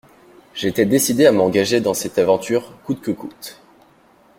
J'étais décidé à m'engager dans cette aventure coûte que coûte.